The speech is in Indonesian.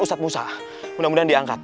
pusat musa mudah mudahan diangkat